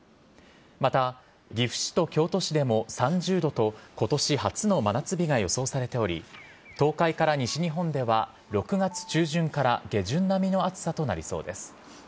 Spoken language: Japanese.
また、岐阜市と京都市でも３０度と、ことし初の真夏日が予想されており、東海から西日本では、６月中旬から下旬並みの暑さとなりそうです。